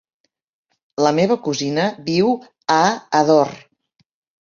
La meva cosina viu a Ador.